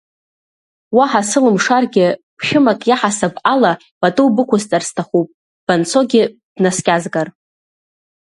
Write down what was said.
Уаҳа сылымшаргьы, ԥшәымак иаҳасаб ала, пату бықәсҵар сҭахуп, банцогьы бнаскьазгар.